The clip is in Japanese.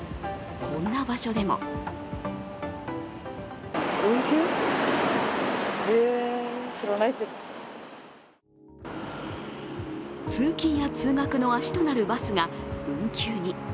こんな場所でも通勤や通学の足となるバスが運休に。